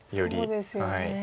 そうですよね。